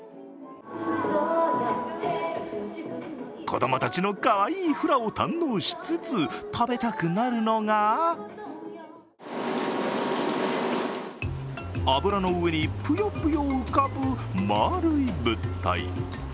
子供たちのかわいいフラを堪能しつつ、食べたくなるのが油の上にぷよぷよ浮かぶ丸い物体。